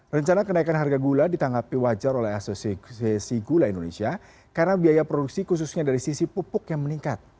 rencana kenaikan harga gula ditanggapi wajar oleh asosiasi gula indonesia karena biaya produksi khususnya dari sisi pupuk yang meningkat